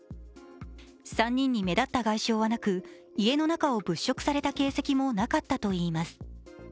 ３人に目立った外傷はなく家の中を物色された形跡もなかったといいます。